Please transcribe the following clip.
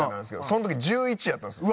その時１１やったんですよ。